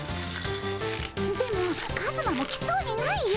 でもカズマも来そうにないよ。